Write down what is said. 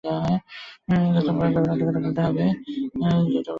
সত্যি কথা তো বলতে হবে।